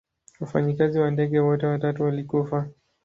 Wafanyikazi wa ndege wote watatu walikufa.